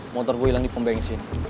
motor gue ilang di pembangunan sini